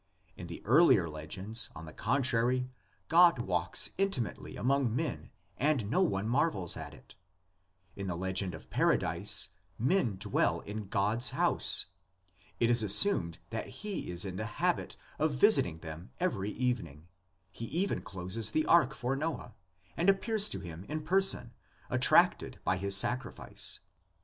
In the earlier legends, on the contrary, God walks intimately among men and no one marvels at it: in the legend of Paradise men dwell in God's house; it is assumed that he is in the habit of visiting them every evening; he even closes the ark for Noah, and appears to him in person, attracted by his sacrifice.